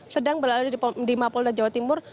sedang berada di mapolda jawa timur